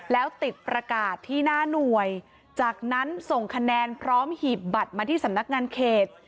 แล้วติดประกาศที่หน้าหน่วยจากนั้นส่งคะแนนพร้อมหีบบัตรมาที่สำนักงานเขต